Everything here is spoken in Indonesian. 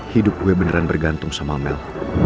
hidup gue beneran bergantung sama mel